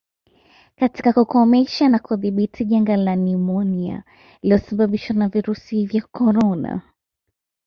katika kukomesha na kudhibiti janga la nimonia lililosababishwa na virusi vya korona